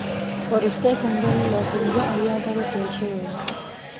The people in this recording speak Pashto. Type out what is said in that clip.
وروستی کنګل له پنځه اویا زرو پیل شوی و.